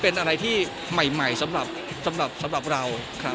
เป็นอะไรที่ใหม่สำหรับเรา